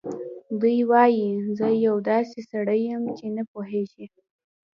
دی وايي: "زه یو داسې سړی یم چې نه پوهېږي